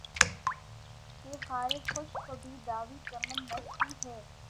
کہ خارِ خشک کو بھی دعویِ چمن نسبی ہے